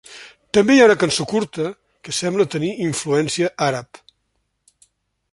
També hi ha una cançó curta, que sembla tenir influència àrab.